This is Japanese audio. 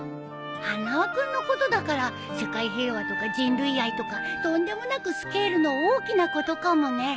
花輪君のことだから世界平和とか人類愛とかとんでもなくスケールの大きなことかもね。